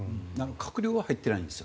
閣僚は入っていないんです。